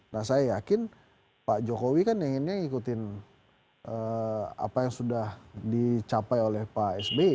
nah saya yakin pak jokowi kan inginnya ngikutin apa yang sudah dicapai oleh pak sby